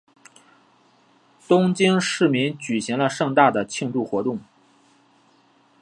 东京市民举行了盛大的庆祝活动。